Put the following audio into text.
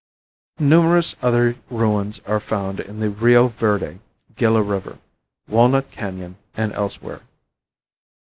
Numerous other ruins are found on the Rio Verde, Gila river, Walnut Canon and elsewhere.